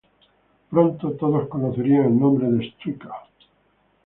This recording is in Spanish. Pronto todos conocerían el nombre de Stryker.